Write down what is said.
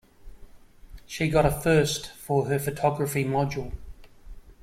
She got a first for her photography module.